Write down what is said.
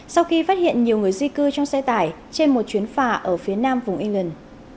sau khi phát hiện nhiều người di cư trong xe tải trên một chuyến phà ở phía nam vùng england